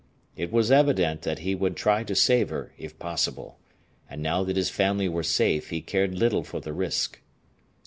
It was evident that he would try to save her if possible, and now that his family were safe he cared little for the risk.